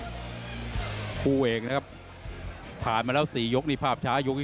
อันนี้ก็เหลือยกเดียวเหลือมากเลยนะครับมั่นใจว่าจะได้แชมป์ไปพลาดโดนในยกที่สามครับเจอหุ้กขวาตามสัญชาตยานหล่นเลยครับ